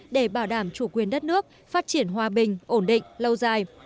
để bảo đảm chủ quyền đất nước phát triển hòa bình ổn định lâu dài